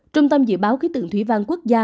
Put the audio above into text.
trung tâm dự báo khí tượng thủy văn quốc gia